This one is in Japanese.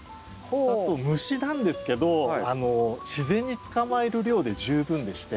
あと虫なんですけど自然に捕まえる量で十分でして。